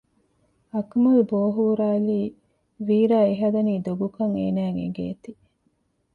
އަކުމަލް ބޯ ހުރާލީ ވީރާ އެހަދަނީ ދޮގުކަން އޭނާއަށް އެނގޭތީ